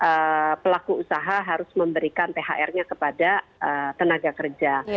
jadi pelaku usaha harus memberikan thr nya kepada tenaga kerja